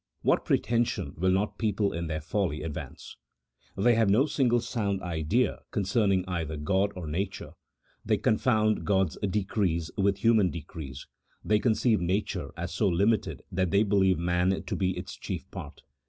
What pretension will not people in their folly advance ! They have no single sound idea concerning either God or nature, they confound God's decrees with human decrees, they conceive nature as so limited that they believe man to be its chief part